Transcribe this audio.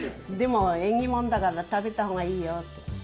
でも縁起物だから食べた方がいいよって。